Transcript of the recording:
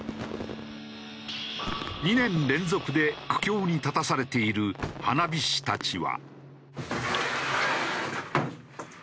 ２年連続で苦境に立たされている花火師たちは。